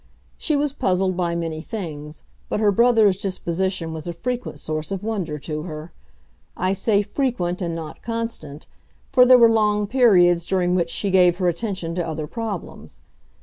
She was puzzled by many things, but her brother's disposition was a frequent source of wonder to her. I say frequent and not constant, for there were long periods during which she gave her attention to other problems.